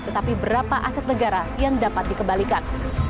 tetapi berapa aset negara yang dapat dikembalikan